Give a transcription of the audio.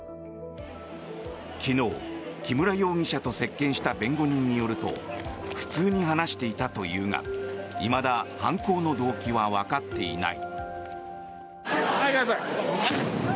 昨日、木村容疑者と接見した弁護人によると普通に話していたというがいまだ犯行の動機はわかっていない。